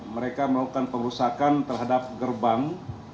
mereka melakukan perusahaan terhadap gerbang